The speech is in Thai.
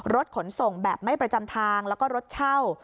รถขนส่งแบบไม่ประจำทางแล้วก็รถเช่า